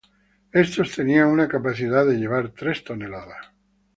Estos tenían una capacidad de llevar tres toneladas.